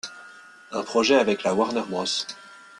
Un projet avec la Warner Bros.